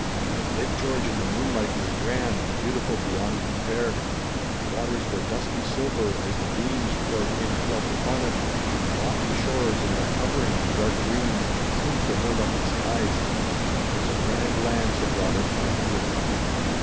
But Lake George in the moonlight was grand and beautiful beyond compare. Its waters were dusky silver as the beams poured in floods upon it, and the lofty shores, in their covering of dark green, seemed to hold up the skies. "It's a grand land," said Robert for the hundredth time.